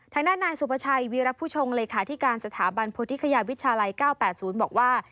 ท่านนายสุพชัยวิรับผู้ชมเลขาธิการสถาบันพฤษฎิกายาวิชาลัย๙๘๐บอกว่า